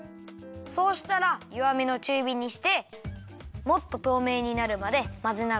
そうしたらよわめのちゅうびにしてもっととうめいになるまでまぜながらあたためるよ。